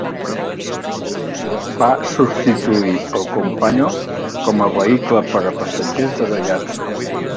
Va substituir el Compagno com a vehicle per a passatgers de Daihatsu.